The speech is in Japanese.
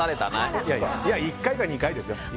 いや、１回か２回ですよ。